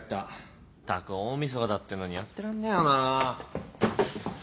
ったく大晦日だってのにやってらんねえよなぁ。